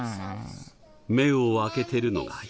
目を開けてるのがやっと。